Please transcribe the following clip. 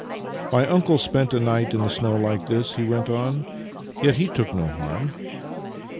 " My uncle spent a night in the snow like this," he went on, " yet he took no harm.